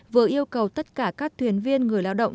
vừa yêu cầu tất cả các thuyền viên người lao động